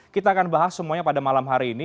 kita akan bahas semuanya pada malam hari ini